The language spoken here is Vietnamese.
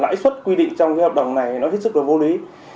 lãi suất quy định trong hợp đồng này nó thiết sức và vô lý